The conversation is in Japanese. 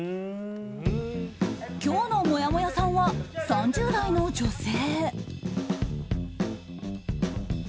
今日のもやもやさんは３０代の女性。